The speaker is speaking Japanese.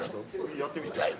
やってみて。